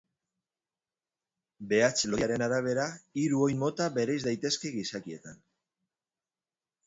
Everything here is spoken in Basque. Behatz lodiaren arabera, hiru oin mota bereiz daitezke gizakietan.